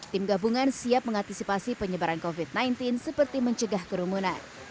tim gabungan siap mengantisipasi penyebaran covid sembilan belas seperti mencegah kerumunan